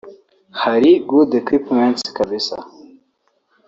Hari good equipments kabisa